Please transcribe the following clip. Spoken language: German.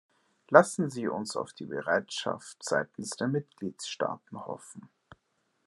Lassen Sie uns auf die Bereitschaft seitens der Mitgliedstaaten hoffen.